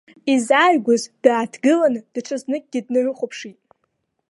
Изааигәаз дааҭгыланы даҽазныкгьы днарыхәаԥшит.